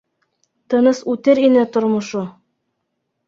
Тыныс үтер ине тормошо.